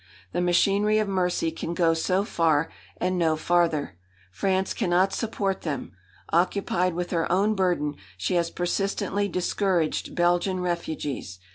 The machinery of mercy can go so far, and no farther. France cannot support them. Occupied with her own burden, she has persistently discouraged Belgian refugees.